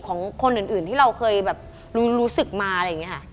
ของคนอื่นที่เราเคยแบบรู้สึกมาอะไรอย่างนี้ค่ะ